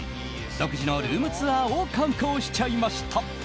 独自のルームツアーを敢行しちゃいました。